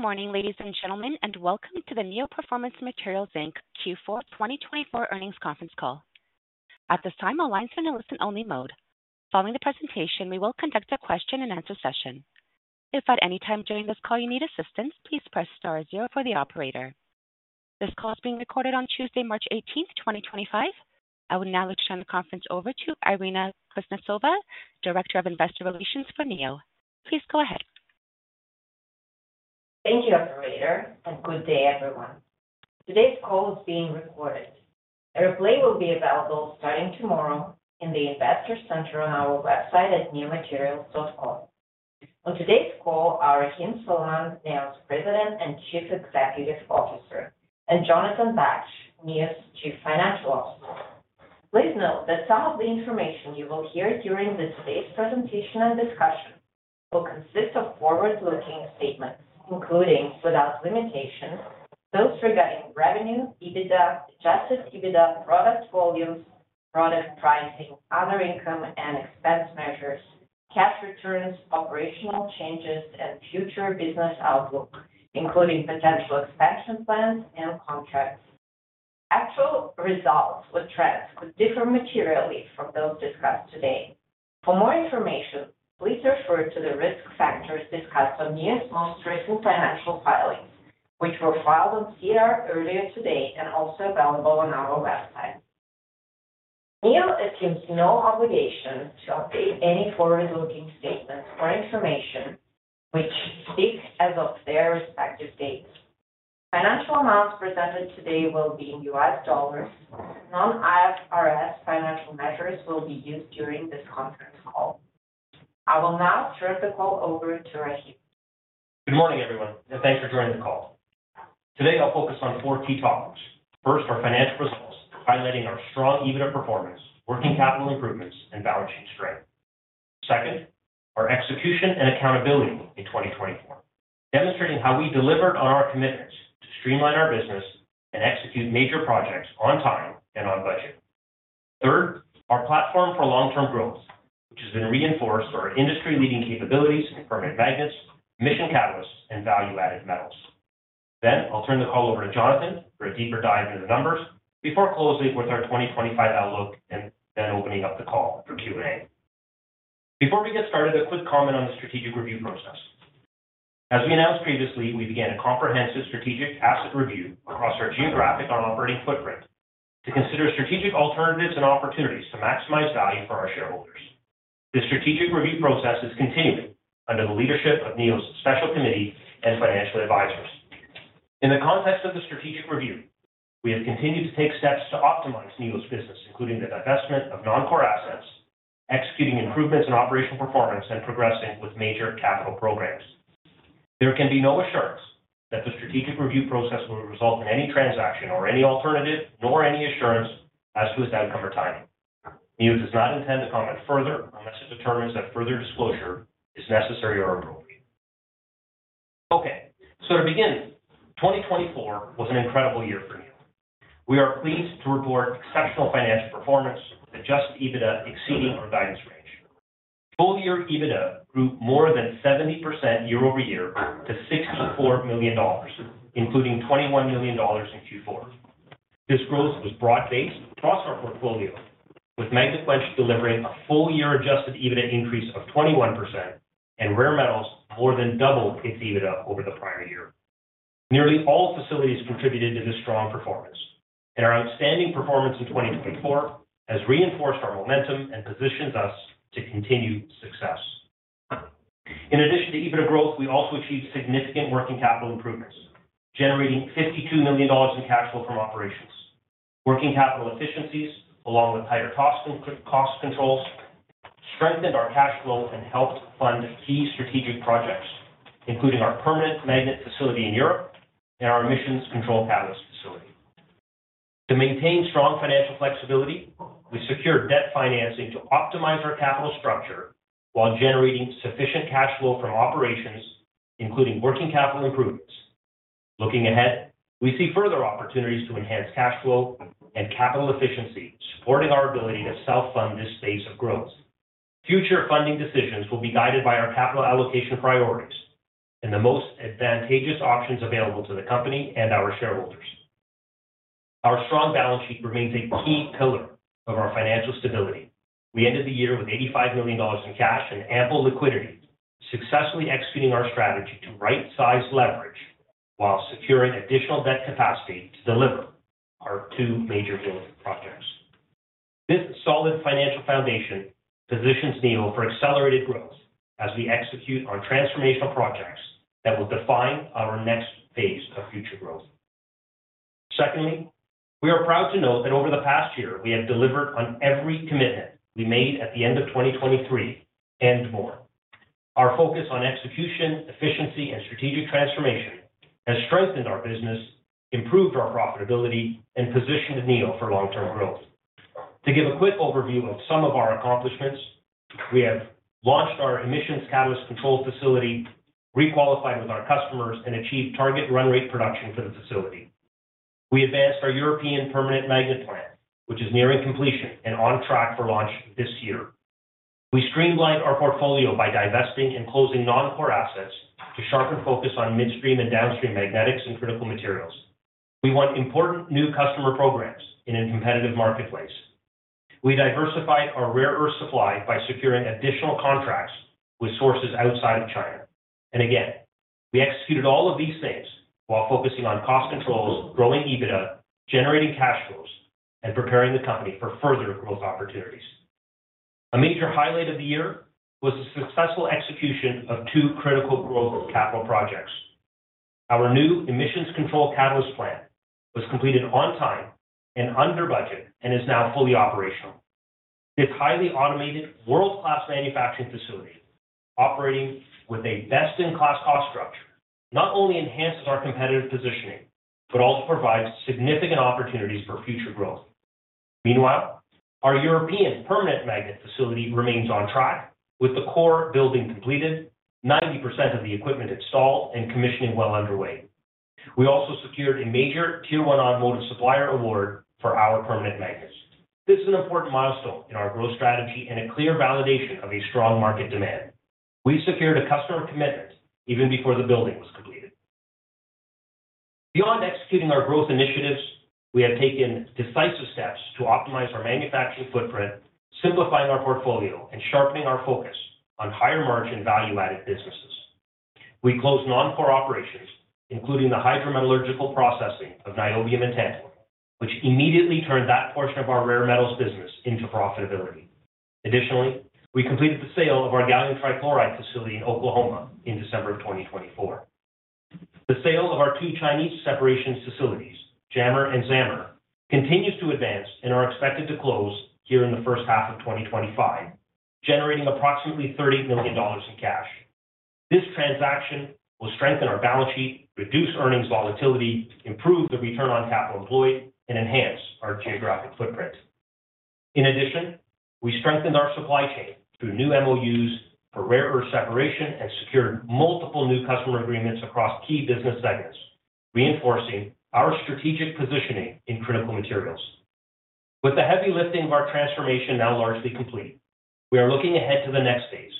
Good morning, ladies and gentlemen, and welcome to the Neo Performance Materials Q4 2024 earnings conference call. At this time, all lines are in listen-only mode. Following the presentation, we will conduct a question-and-answer session. If at any time during this call you need assistance, please press star zero for the operator. This call is being recorded on Tuesday, March 18, 2025. I will now turn the conference over to Irina Kuznetsova, Director of Investor Relations for Neo. Please go ahead. Thank you, Operator, and good day, everyone. Today's call is being recorded. The replay will be available starting tomorrow in the Investor Center on our website at neomaterials.com. On today's call are Rahim Suleman, Neo's President and Chief Executive Officer, and Jonathan Baksh, Neo's Chief Financial Officer. Please note that some of the information you will hear during today's presentation and discussion will consist of forward-looking statements, including without limitations, those regarding revenue, EBITDA, adjusted EBITDA, product volumes, product pricing, other income and expense measures, cash returns, operational changes, and future business outlook, including potential expansion plans and contracts. Actual results or trends could differ materially from those discussed today. For more information, please refer to the risk factors discussed on Neo's most recent financial filings, which were filed on SEDAR earlier today and also available on our website. Neo assumes no obligation to update any forward-looking statements or information which speak as of their respective dates. Financial amounts presented today will be in US dollars. Non-IFRS financial measures will be used during this conference call. I will now turn the call over to Rahim. Good morning, everyone, and thanks for joining the call. Today, I'll focus on four key topics. First, our financial results, highlighting our strong EBITDA performance, working capital improvements, and balance sheet strength. Second, our execution and accountability in 2024, demonstrating how we delivered on our commitments to streamline our business and execute major projects on time and on budget. Third, our platform for long-term growth, which has been reinforced through our industry-leading capabilities, permanent magnets, emissions catalysts, and value-added metals. I will turn the call over to Jonathan for a deeper dive into the numbers before closing with our 2025 outlook and then opening up the call for Q&A. Before we get started, a quick comment on the strategic review process. As we announced previously, we began a comprehensive strategic asset review across our geographic and operating footprint to consider strategic alternatives and opportunities to maximize value for our shareholders. This strategic review process is continuing under the leadership of Neo's special committee and financial advisors. In the context of the strategic review, we have continued to take steps to optimize Neo's business, including the divestment of non-core assets, executing improvements in operational performance, and progressing with major capital programs. There can be no assurance that the strategic review process will result in any transaction or any alternative nor any assurance as to its outcome or timing. Neo does not intend to comment further unless it determines that further disclosure is necessary or appropriate. Okay, to begin, 2024 was an incredible year for Neo. We are pleased to report exceptional financial performance with adjusted EBITDA exceeding our guidance range. Full-year EBITDA grew more than 70% year over year to $64 million, including $21 million in Q4. This growth was broad-based across our portfolio, with Magnequench delivering a full-year adjusted EBITDA increase of 21%, and Rare Metals more than doubled its EBITDA over the prior year. Nearly all facilities contributed to this strong performance, and our outstanding performance in 2024 has reinforced our momentum and positions us to continue success. In addition to EBITDA growth, we also achieved significant working capital improvements, generating $52 million in cash flow from operations. Working capital efficiencies, along with tighter cost controls, strengthened our cash flow and helped fund key strategic projects, including our permanent magnet facility in Europe and our emissions control catalyst facility. To maintain strong financial flexibility, we secured debt financing to optimize our capital structure while generating sufficient cash flow from operations, including working capital improvements. Looking ahead, we see further opportunities to enhance cash flow and capital efficiency, supporting our ability to self-fund this phase of growth. Future funding decisions will be guided by our capital allocation priorities and the most advantageous options available to the company and our shareholders. Our strong balance sheet remains a key pillar of our financial stability. We ended the year with $85 million in cash and ample liquidity, successfully executing our strategy to right-size leverage while securing additional debt capacity to deliver our two major growth projects. This solid financial foundation positions Neo for accelerated growth as we execute on transformational projects that will define our next phase of future growth. Secondly, we are proud to note that over the past year, we have delivered on every commitment we made at the end of 2023 and more. Our focus on execution, efficiency, and strategic transformation has strengthened our business, improved our profitability, and positioned Neo for long-term growth. To give a quick overview of some of our accomplishments, we have launched our emissions catalyst control facility, requalified with our customers, and achieved target run-rate production for the facility. We advanced our European permanent magnet plant, which is nearing completion and on track for launch this year. We streamlined our portfolio by divesting and closing non-core assets to sharpen focus on midstream and downstream magnetics and critical materials. We want important new customer programs in a competitive marketplace. We diversified our rare earth supply by securing additional contracts with sources outside of China. Again, we executed all of these things while focusing on cost controls, growing EBITDA, generating cash flows, and preparing the company for further growth opportunities. A major highlight of the year was the successful execution of two critical growth capital projects. Our new emissions control catalyst plant was completed on time and under budget and is now fully operational. This highly automated, world-class manufacturing facility, operating with a best-in-class cost structure, not only enhances our competitive positioning but also provides significant opportunities for future growth. Meanwhile, our European permanent magnet facility remains on track with the core building completed, 90% of the equipment installed, and commissioning well underway. We also secured a major Tier One Automotive Supplier Award for our permanent magnets. This is an important milestone in our growth strategy and a clear validation of a strong market demand. We secured a customer commitment even before the building was completed. Beyond executing our growth initiatives, we have taken decisive steps to optimize our manufacturing footprint, simplifying our portfolio and sharpening our focus on higher margin value-added businesses. We closed non-core operations, including the hydrometallurgical processing of niobium and tantalum, which immediately turned that portion of our rare metals business into profitability. Additionally, we completed the sale of our gallium trichloride facility in Oklahoma in December of 2024. The sale of our two Chinese separation facilities, JAMR and ZAMR, continues to advance and are expected to close here in the first half of 2025, generating approximately $30 million in cash. This transaction will strengthen our balance sheet, reduce earnings volatility, improve the return on capital employed, and enhance our geographic footprint. In addition, we strengthened our supply chain through new MOUs for rare earth separation and secured multiple new customer agreements across key business segments, reinforcing our strategic positioning in critical materials. With the heavy lifting of our transformation now largely complete, we are looking ahead to the next phase,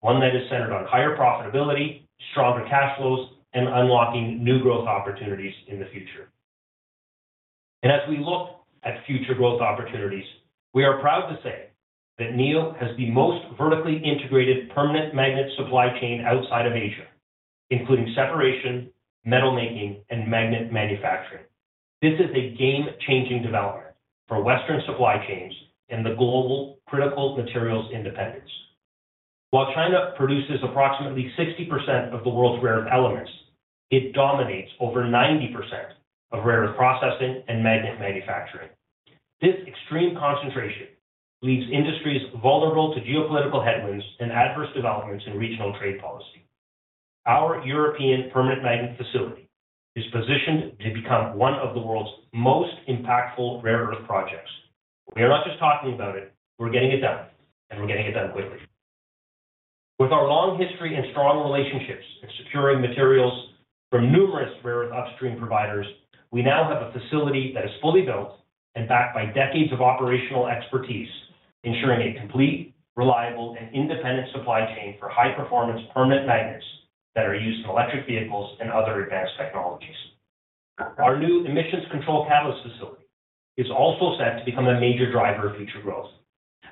one that is centered on higher profitability, stronger cash flows, and unlocking new growth opportunities in the future. As we look at future growth opportunities, we are proud to say that Neo has the most vertically integrated permanent magnet supply chain outside of Asia, including separation, metal making, and magnet manufacturing. This is a game-changing development for Western supply chains and the global critical materials independence. While China produces approximately 60% of the world's rare earth elements, it dominates over 90% of rare earth processing and magnet manufacturing. This extreme concentration leaves industries vulnerable to geopolitical headwinds and adverse developments in regional trade policy. Our European permanent magnet facility is positioned to become one of the world's most impactful rare earth projects. We are not just talking about it; we're getting it done, and we're getting it done quickly. With our long history and strong relationships in securing materials from numerous rare earth upstream providers, we now have a facility that is fully built and backed by decades of operational expertise, ensuring a complete, reliable, and independent supply chain for high-performance permanent magnets that are used in electric vehicles and other advanced technologies. Our new emissions control catalyst facility is also set to become a major driver of future growth.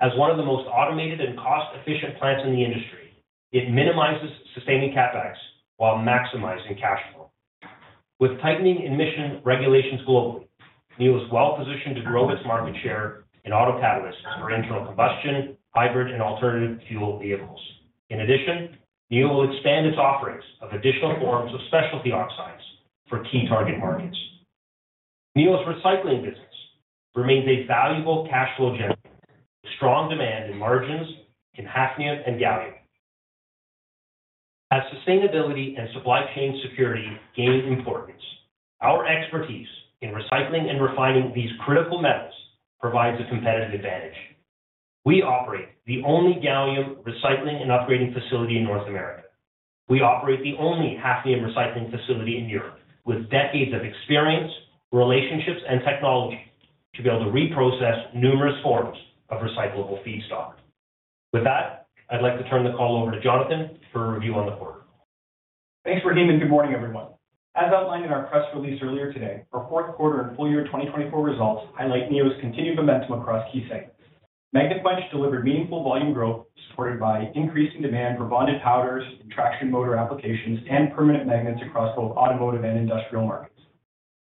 As one of the most automated and cost-efficient plants in the industry, it minimizes sustaining CapEx while maximizing cash flow. With tightening emission regulations globally, Neo is well-positioned to grow its market share in auto catalysts for internal combustion, hybrid, and alternative fuel vehicles. In addition, Neo will expand its offerings of additional forms of specialty oxides for key target markets. Neo's recycling business remains a valuable cash flow generator with strong demand and margins in hafnium and gallium. As sustainability and supply chain security gain importance, our expertise in recycling and refining these critical metals provides a competitive advantage. We operate the only gallium recycling and upgrading facility in North America. We operate the only hafnium recycling facility in Europe, with decades of experience, relationships, and technology to be able to reprocess numerous forms of recyclable feedstock. With that, I'd like to turn the call over to Jonathan for a review on the quarter. Thanks, Rahim, and good morning, everyone. As outlined in our press release earlier today, our fourth quarter and full-year 2024 results highlight Neo's continued momentum across key segments. Magnequench delivered meaningful volume growth supported by increasing demand for bonded powders, traction motor applications, and permanent magnets across both automotive and industrial markets.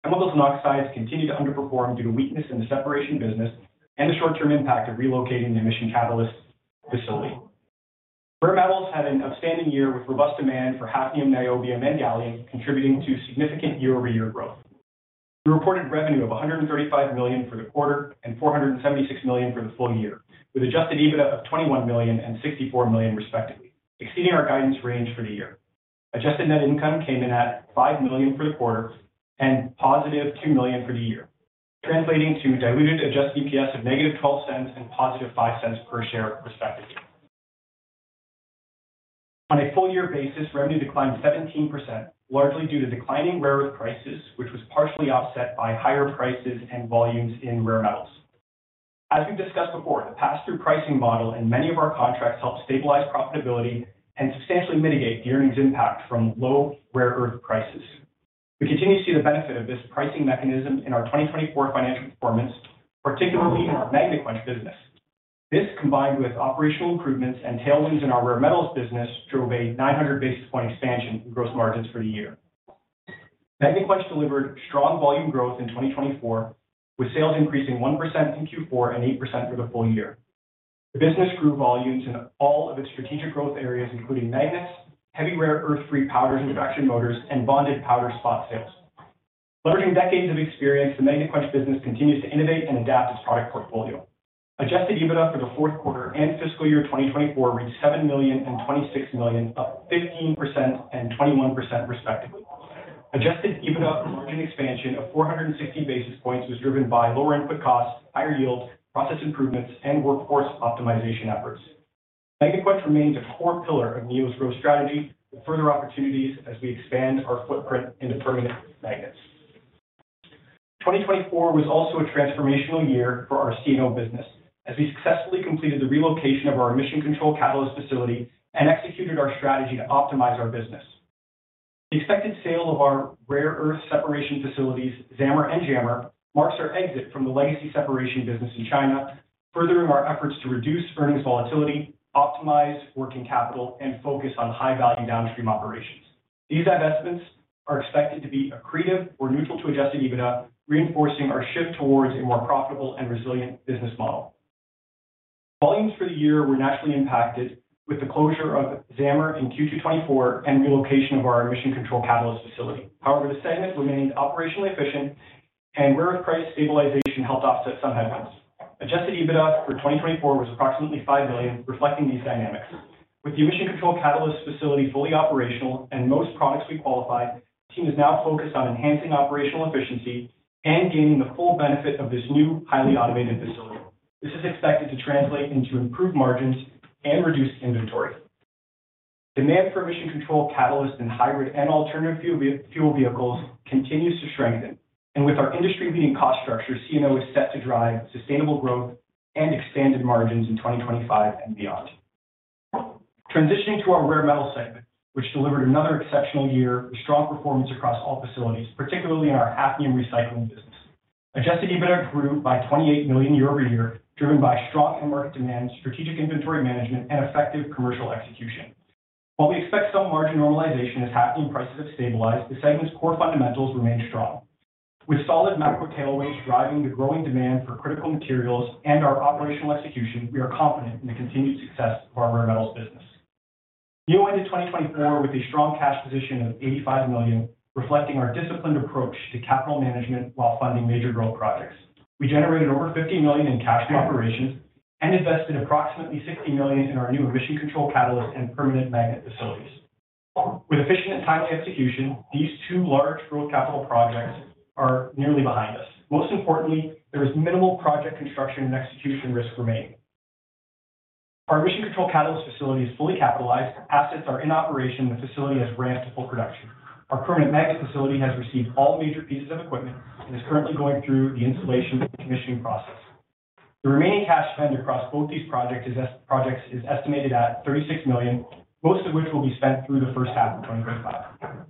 Chemicals and oxides continue to underperform due to weakness in the separation business and the short-term impact of relocating the emissions catalyst facility. Rare metals had an outstanding year with robust demand for hafnium, niobium, and gallium, contributing to significant year-over-year growth. We reported revenue of $135 million for the quarter and $476 million for the full year, with adjusted EBITDA of $21 million and $64 million, respectively, exceeding our guidance range for the year. Adjusted net income came in at $5 million for the quarter and positive $2 million for the year, translating to diluted adjusted EPS of -$0.12 and +$0.05 per share, respectively. On a full-year basis, revenue declined 17%, largely due to declining rare earth prices, which was partially offset by higher prices and volumes in rare metals. As we've discussed before, the pass-through pricing model in many of our contracts helped stabilize profitability and substantially mitigate the earnings impact from low rare earth prices. We continue to see the benefit of this pricing mechanism in our 2024 financial performance, particularly in our Magnequench business. This, combined with operational improvements and tailwinds in our rare metals business, drove a 900 basis point expansion in gross margins for the year. Magnequench delivered strong volume growth in 2024, with sales increasing 1% in Q4 and 8% for the full year. The business grew volumes in all of its strategic growth areas, including magnets, heavy rare earth-free powders, and traction motors, and bonded powder spot sales. Leveraging decades of experience, the Magnequench business continues to innovate and adapt its product portfolio. Adjusted EBITDA for the fourth quarter and fiscal year 2024 reached $7 million and $26 million, up 15% and 21%, respectively. Adjusted EBITDA margin expansion of 460 basis points was driven by lower input costs, higher yield, process improvements, and workforce optimization efforts. Magnequench remains a core pillar of Neo's growth strategy with further opportunities as we expand our footprint into permanent magnets. 2024 was also a transformational year for our C&O business as we successfully completed the relocation of our emission control catalyst facility and executed our strategy to optimize our business. The expected sale of our rare earth separation facilities, ZAMR and JAMR, marks our exit from the legacy separation business in China, furthering our efforts to reduce earnings volatility, optimize working capital, and focus on high-value downstream operations. These investments are expected to be accretive or neutral to adjusted EBITDA, reinforcing our shift towards a more profitable and resilient business model. Volumes for the year were naturally impacted with the closure of ZAMR in Q2 2024 and relocation of our emission control catalyst facility. However, the segment remained operationally efficient, and rare earth price stabilization helped offset some headwinds. Adjusted EBITDA for 2024 was approximately $5 million, reflecting these dynamics. With the emission control catalyst facility fully operational and most products requalified, the team is now focused on enhancing operational efficiency and gaining the full benefit of this new, highly automated facility. This is expected to translate into improved margins and reduced inventory. Demand for emission control catalysts in hybrid and alternative fuel vehicles continues to strengthen, and with our industry-leading cost structure, C&O is set to drive sustainable growth and expanded margins in 2025 and beyond. Transitioning to our rare metal segment, which delivered another exceptional year with strong performance across all facilities, particularly in our hafnium recycling business. Adjusted EBITDA grew by $28 million year-over-year, driven by strong end-market demand, strategic inventory management, and effective commercial execution. While we expect some margin normalization as hafnium prices have stabilized, the segment's core fundamentals remain strong. With solid macro tailwinds driving the growing demand for critical materials and our operational execution, we are confident in the continued success of our rare metals business. Neo ended 2024 with a strong cash position of $85 million, reflecting our disciplined approach to capital management while funding major growth projects. We generated over $50 million in cash flow operations and invested approximately $60 million in our new emission control catalyst and permanent magnet facilities. With efficient and timely execution, these two large growth capital projects are nearly behind us. Most importantly, there is minimal project construction and execution risk remaining. Our emission control catalyst facility is fully capitalized. Assets are in operation, and the facility has ramped to full production. Our permanent magnet facility has received all major pieces of equipment and is currently going through the installation and commissioning process. The remaining cash spent across both these projects is estimated at $36 million, most of which will be spent through the first half of 2025.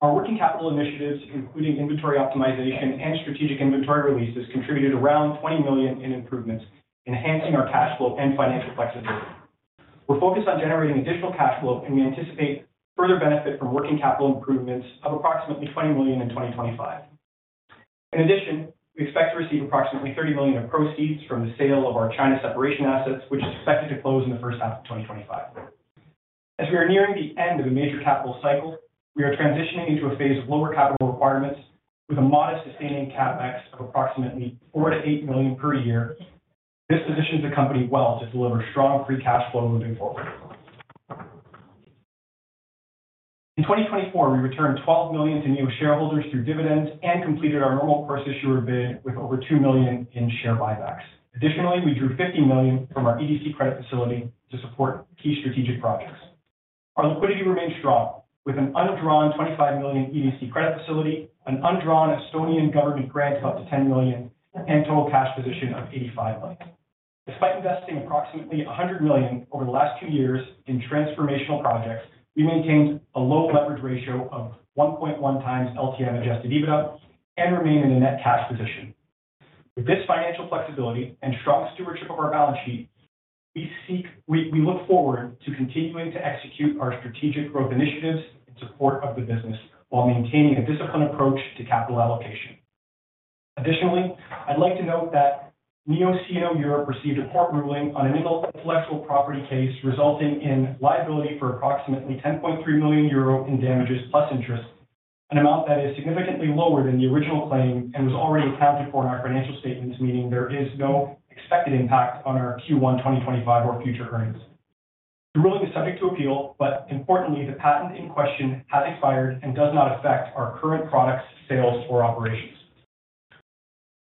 Our working capital initiatives, including inventory optimization and strategic inventory releases, contributed around $20 million in improvements, enhancing our cash flow and financial flexibility. We're focused on generating additional cash flow, and we anticipate further benefit from working capital improvements of approximately $20 million in 2025. In addition, we expect to receive approximately $30 million in proceeds from the sale of our China separation assets, which is expected to close in the first half of 2025. As we are nearing the end of a major capital cycle, we are transitioning into a phase of lower capital requirements with a modest sustaining CapEx of approximately $4-8 million per year. This positions the company well to deliver strong free cash flow moving forward. In 2024, we returned $12 million to Neo shareholders through dividends and completed our normal course issuer bid with over $2 million in share buybacks. Additionally, we drew $50 million from our EDC credit facility to support key strategic projects. Our liquidity remains strong, with an undrawn $25 million EDC credit facility, an undrawn Estonian government grant of up to $10 million, and total cash position of $85 million. Despite investing approximately $100 million over the last two years in transformational projects, we maintained a low leverage ratio of 1.1 times LTM adjusted EBITDA and remain in a net cash position. With this financial flexibility and strong stewardship of our balance sheet, we look forward to continuing to execute our strategic growth initiatives in support of the business while maintaining a disciplined approach to capital allocation. Additionally, I'd like to note that Neo C&O Europe received a court ruling on an intellectual property case resulting in liability for approximately 10.3 million euro in damages plus interest, an amount that is significantly lower than the original claim and was already accounted for in our financial statements, meaning there is no expected impact on our Q1 2025 or future earnings. The ruling is subject to appeal, but importantly, the patent in question has expired and does not affect our current products, sales, or operations.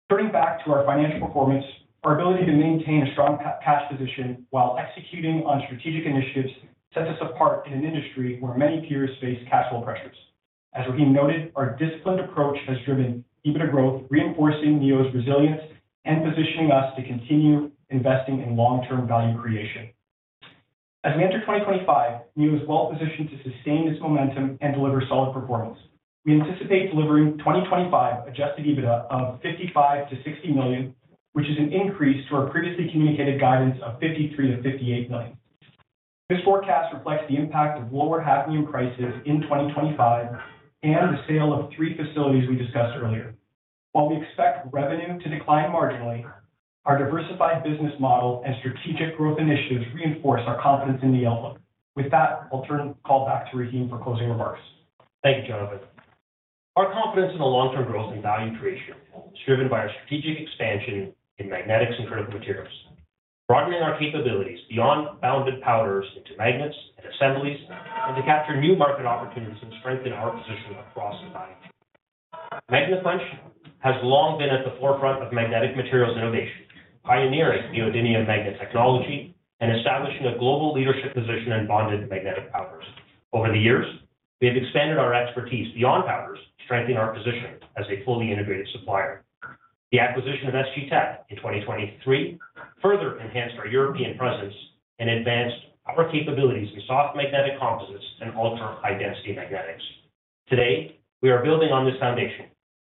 Turning back to our financial performance, our ability to maintain a strong cash position while executing on strategic initiatives sets us apart in an industry where many peers face cash flow pressures. As Rahim noted, our disciplined approach has driven EBITDA growth, reinforcing Neo's resilience and positioning us to continue investing in long-term value creation. As we enter 2025, Neo is well-positioned to sustain this momentum and deliver solid performance. We anticipate delivering 2025 adjusted EBITDA of $55-$60 million, which is an increase to our previously communicated guidance of $53-$58 million. This forecast reflects the impact of lower hafnium prices in 2025 and the sale of three facilities we discussed earlier. While we expect revenue to decline marginally, our diversified business model and strategic growth initiatives reinforce our confidence in Neo's outlook. With that, I'll turn the call back to Rahim for closing remarks. Thank you, Jonathan. Our confidence in the long-term growth and value creation is driven by our strategic expansion in magnetics and critical materials, broadening our capabilities beyond bonded powders into magnets and assemblies to capture new market opportunities and strengthen our position across the value. Magnequench has long been at the forefront of magnetic materials innovation, pioneering neodymium magnet technology and establishing a global leadership position in bonded magnetic powders. Over the years, we have expanded our expertise beyond powders, strengthening our position as a fully integrated supplier. The acquisition of SG Tech in 2023 further enhanced our European presence and advanced our capabilities in soft magnetic composites and ultra-high-density magnetics. Today, we are building on this foundation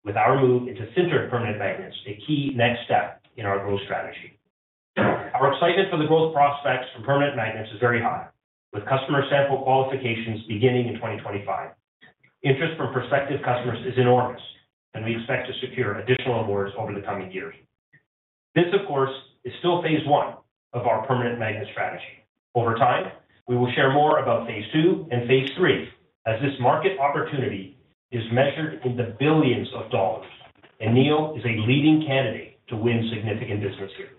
with our move into sintered permanent magnets, a key next step in our growth strategy. Our excitement for the growth prospects from permanent magnets is very high, with customer sample qualifications beginning in 2025. Interest from prospective customers is enormous, and we expect to secure additional awards over the coming years. This, of course, is still phase I of our permanent magnet strategy. Over time, we will share more about phase II and phase III as this market opportunity is measured in the billions of dollars, and Neo is a leading candidate to win significant business here.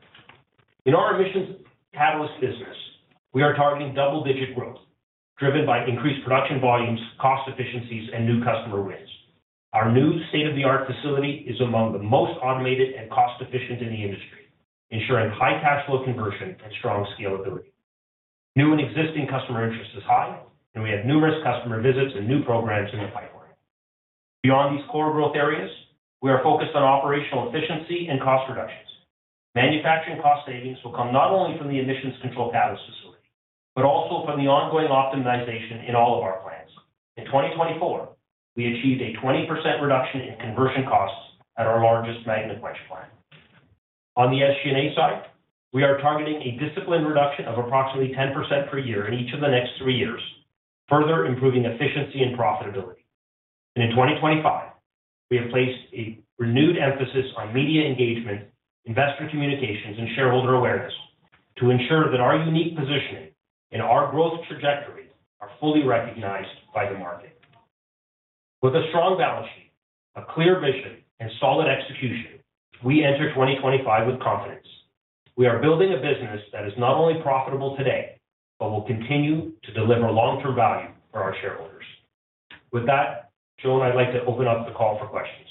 In our emission catalyst business, we are targeting double-digit growth, driven by increased production volumes, cost efficiencies, and new customer wins. Our new state-of-the-art facility is among the most automated and cost-efficient in the industry, ensuring high cash flow conversion and strong scalability. New and existing customer interest is high, and we have numerous customer visits and new programs in the pipeline. Beyond these core growth areas, we are focused on operational efficiency and cost reductions. Manufacturing cost savings will come not only from the emissions control catalyst facility but also from the ongoing optimization in all of our plants. In 2024, we achieved a 20% reduction in conversion costs at our largest Magnequench plant. On the SG&A side, we are targeting a disciplined reduction of approximately 10% per year in each of the next three years, further improving efficiency and profitability. In 2025, we have placed a renewed emphasis on media engagement, investor communications, and shareholder awareness to ensure that our unique positioning and our growth trajectory are fully recognized by the market. With a strong balance sheet, a clear vision, and solid execution, we enter 2025 with confidence. We are building a business that is not only profitable today but will continue to deliver long-term value for our shareholders. With that, Joan, I'd like to open up the call for questions.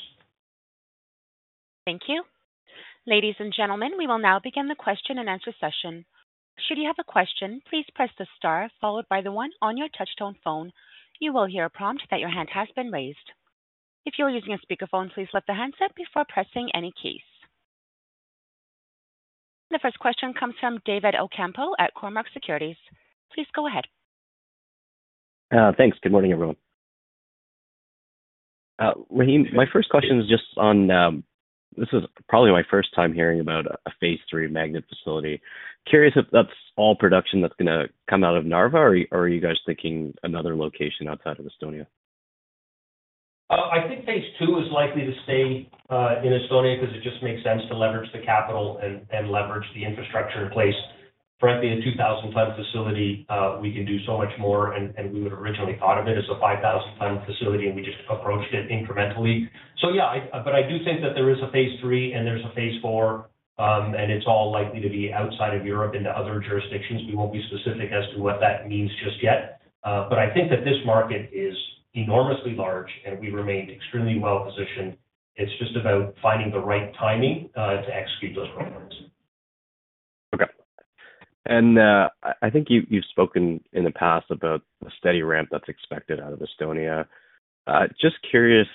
Thank you. Ladies and gentlemen, we will now begin the question and answer session. Should you have a question, please press the star followed by the one on your touchtone phone. You will hear a prompt that your hand has been raised. If you are using a speakerphone, please let the hands up before pressing any keys. The first question comes from David Ocampo at Cormark Securities. Please go ahead. Thanks. Good morning, everyone. Rahim, my first question is just on this is probably my first time hearing about a phase three magnet facility. Curious if that's all production that's going to come out of Narva, or are you guys thinking another location outside of Estonia? I think phase two is likely to stay in Estonia because it just makes sense to leverage the capital and leverage the infrastructure in place. Frankly, a 2,000-ton facility, we can do so much more, and we would have originally thought of it as a 5,000-ton facility, and we just approached it incrementally. Yeah, I do think that there is a phase three, and there is a phase four, and it is all likely to be outside of Europe into other jurisdictions. We will not be specific as to what that means just yet, but I think that this market is enormously large, and we remain extremely well-positioned. It is just about finding the right timing to execute those programs. Okay. I think you have spoken in the past about the steady ramp that is expected out of Estonia. Just curious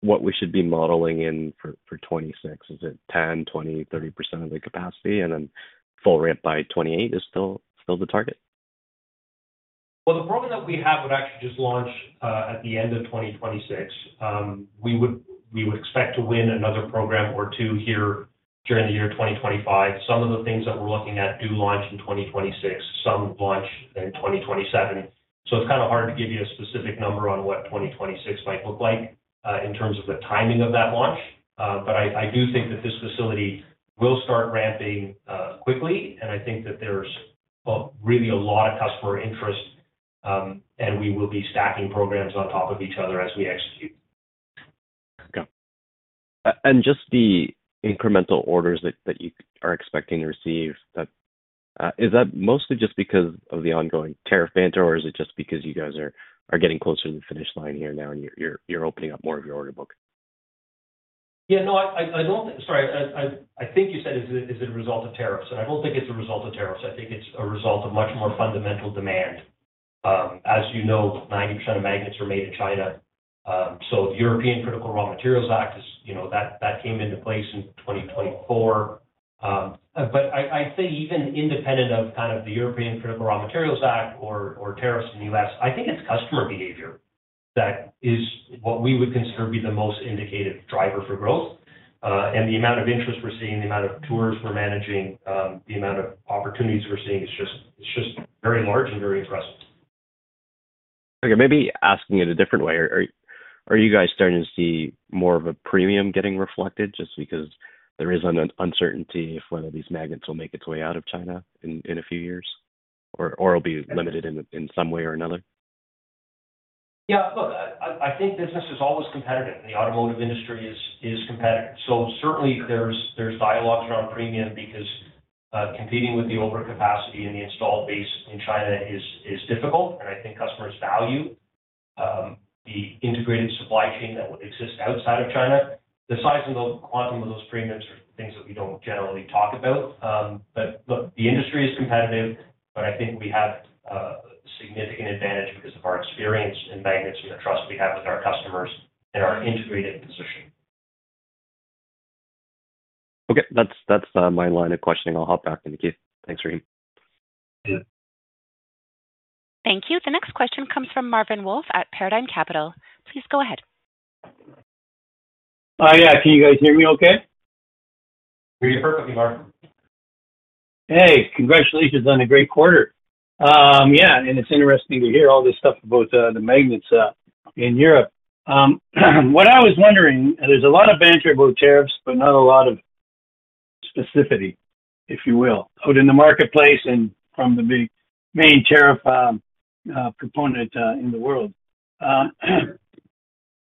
what we should be modeling in for 2026. Is it 10%, 20%, 30% of the capacity, and then full ramp by 2028 is still the target? The program that we have would actually just launch at the end of 2026. We would expect to win another program or two here during the year 2025. Some of the things that we're looking at do launch in 2026. Some launch in 2027. It is kind of hard to give you a specific number on what 2026 might look like in terms of the timing of that launch, but I do think that this facility will start ramping quickly, and I think that there is really a lot of customer interest, and we will be stacking programs on top of each other as we execute. Okay. Just the incremental orders that you are expecting to receive, is that mostly just because of the ongoing tariff banter, or is it just because you guys are getting closer to the finish line here now, and you're opening up more of your order book? Yeah. No, I do not think—sorry, I think you said it is a result of tariffs, and I do not think it is a result of tariffs. I think it is a result of much more fundamental demand. As you know, 90% of magnets are made in China. The European Critical Raw Materials Act came into place in 2024. I would say even independent of the European Critical Raw Materials Act or tariffs in the U.S., I think it is customer behavior that is what we would consider to be the most indicative driver for growth. The amount of interest we are seeing, the amount of tours we are managing, the amount of opportunities we are seeing is just very large and very impressive. Okay. Maybe asking it a different way. Are you guys starting to see more of a premium getting reflected just because there is an uncertainty if one of these magnets will make its way out of China in a few years, or it'll be limited in some way or another? Yeah. Look, I think business is always competitive, and the automotive industry is competitive. Certainly, there's dialogues around premium because competing with the overcapacity and the installed base in China is difficult, and I think customers value the integrated supply chain that will exist outside of China. The size and the quantum of those premiums are things that we don't generally talk about. Look, the industry is competitive, but I think we have a significant advantage because of our experience and the trust we have with our customers and our integrated position. Okay. That's my line of questioning. I'll hop back in the queue. Thanks, Rahim. Thank you. The next question comes from Marvin Wolff at Paradigm Capital. Please go ahead. Hi. Yeah. Can you guys hear me okay? Hear you perfectly, Marvin. Hey. Congratulations on a great quarter. Yeah. It's interesting to hear all this stuff about the magnets in Europe. What I was wondering, there's a lot of banter about tariffs, but not a lot of specificity, if you will, out in the marketplace and from the main tariff component in the world.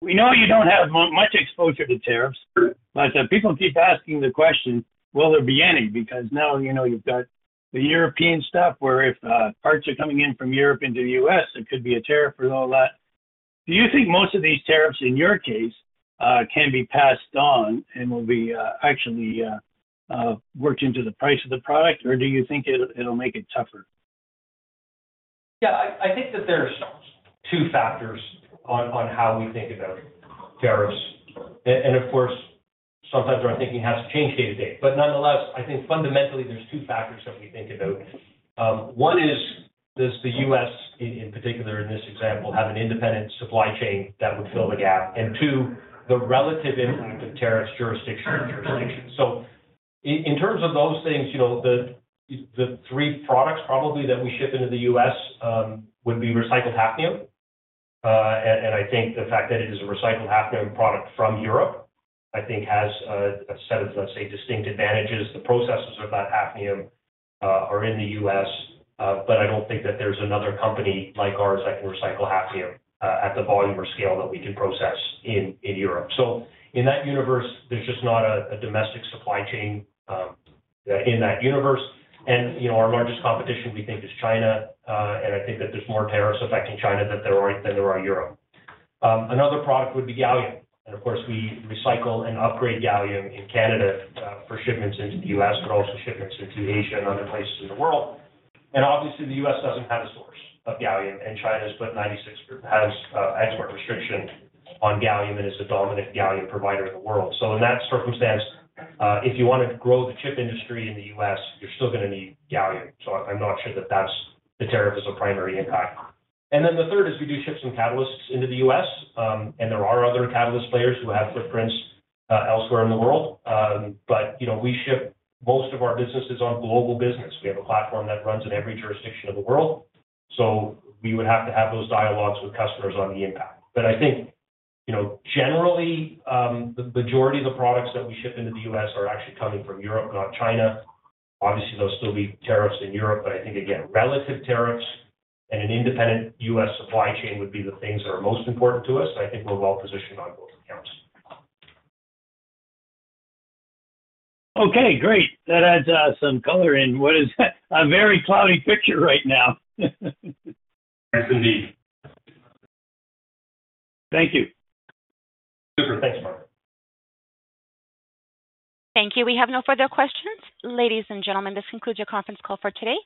We know you don't have much exposure to tariffs, but people keep asking the question, will there be any? Because now you've got the European stuff where if parts are coming in from Europe into the U.S., there could be a tariff for all that. Do you think most of these tariffs, in your case, can be passed on and will be actually worked into the price of the product, or do you think it'll make it tougher? Yeah. I think that there's two factors on how we think about tariffs. Of course, sometimes our thinking has to change day to day. Nonetheless, I think fundamentally there's two factors that we think about. One is, does the U.S., in particular in this example, have an independent supply chain that would fill the gap? Two, the relative impact of tariffs jurisdiction to jurisdiction. In terms of those things, the three products probably that we ship into the U.S. would be recycled hafnium. I think the fact that it is a recycled hafnium product from Europe, I think, has a set of, let's say, distinct advantages. The processes of that hafnium are in the U.S., but I don't think that there's another company like ours that can recycle hafnium at the volume or scale that we can process in Europe. In that universe, there's just not a domestic supply chain in that universe. Our largest competition, we think, is China. I think that there's more tariffs affecting China than there are Europe. Another product would be gallium. Of course, we recycle and upgrade gallium in Canada for shipments into the U.S., but also shipments into Asia and other places in the world. Obviously, the U.S. doesn't have a source of gallium, and China has export restriction on gallium and is the dominant gallium provider in the world. In that circumstance, if you want to grow the chip industry in the U.S., you're still going to need gallium. I'm not sure that the tariff is a primary impact. The third is we do ship some catalysts into the U.S., and there are other catalyst players who have footprints elsewhere in the world. We ship most of our businesses on global business. We have a platform that runs in every jurisdiction of the world. We would have to have those dialogues with customers on the impact. I think, generally, the majority of the products that we ship into the U.S. are actually coming from Europe, not China. Obviously, there will still be tariffs in Europe, but I think, again, relative tariffs and an independent U.S. supply chain would be the things that are most important to us. I think we are well-positioned on both accounts. Okay. Great. That adds some color in what is a very cloudy picture right now. Yes, indeed. Thank you. Super. Thanks, Marvin. Thank you. We have no further questions. Ladies and gentlemen, this concludes your conference call for today.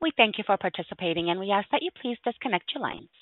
We thank you for participating, and we ask that you please disconnect your lines.